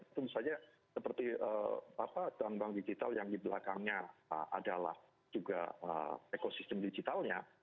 itu misalnya seperti bank bank digital yang di belakangnya adalah juga ekosistem digitalnya